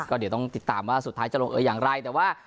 ก็เดี๋ยวต้องติดตามว่าสุดท้ายจะลงเอออย่างไรแต่ว่า